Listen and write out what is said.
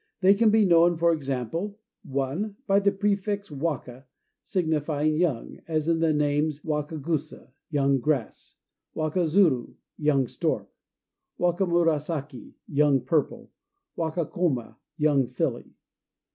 They can be known, for example, (1) By the prefix Waka, signifying "Young"; as in the names Wakagusa, "Young Grass"; Wakazuru, "Young Stork"; Wakamurasaki, "Young Purple"; Wakakoma, "Young Filly".